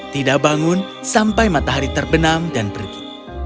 tidak bangun sampai matahari terbenam dan pergi